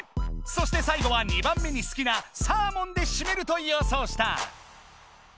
そして最後は２番目に好きなサーモンでしめるとよそうした。